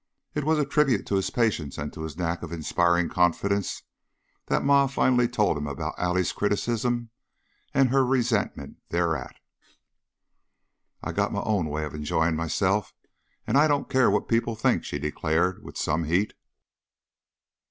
It was a tribute to his patience and to his knack of inspiring confidence that Ma finally told him about Allie's criticism and her resentment thereat. "I got my own way of enjoyin' myself, an' I don't care what people think," she declared, with some heat.